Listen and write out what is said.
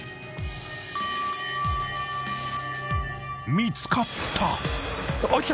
［見つかった］来た！？